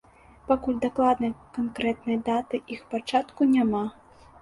Пакуль дакладнай канкрэтнай даты іх пачатку няма.